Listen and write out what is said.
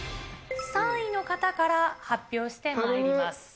３位の方から発表してまいります。